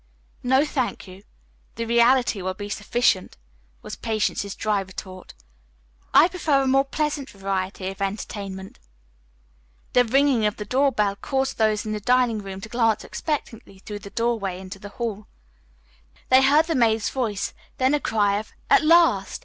"No, thank you. The reality will be sufficient," was Patience's dry retort. "I prefer a more pleasant variety of entertainment." The ringing of the door bell caused those in the dining room to glance expectantly through the doorway into the hall. They heard the maid's voice, then a cry of "At last!"